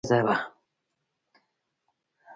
نېکبخته یوه عارفه ښځه وه.